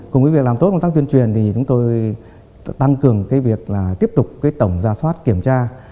cùng với việc làm tốt công tác tuyên truyền thì chúng tôi tăng cường cái việc là tiếp tục tổng ra soát kiểm tra